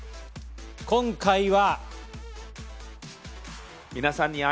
今回は。